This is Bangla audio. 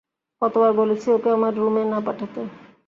কতবার বলেছি ওকে আমার রুমে না পাঠাতে?